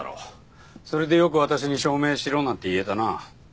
それでよく私に証明しろなんて言えたな。